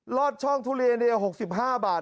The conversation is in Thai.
อดช่องทุเรียน๖๕บาท